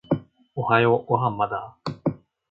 おはようご飯まだ？